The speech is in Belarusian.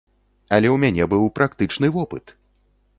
Але ў мяне быў практычны вопыт!